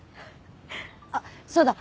あっそうだ。